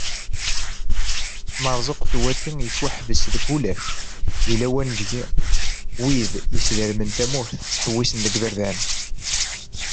Marzuq Tewwati yettwaḥbes ɣef ulac di lawan deg wid yesdermen tamurt ttḥewissen deg iberdan.